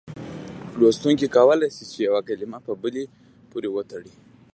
لوستونکی کولای شي چې یوه کلمه په بلې پورې وتړي.